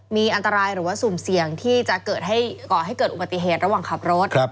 มีอันตรายหรือสูงเสี่ยงที่จะเกิดอุบัติเหตุระหว่างขับรถ